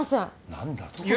何だと。